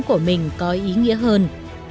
của mình có ý nghĩa hơn